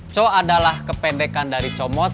co adalah kependekan dari comot